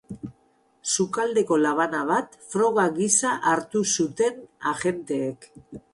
Sukaldeko labana bat froga gisa hartu zuten agenteek.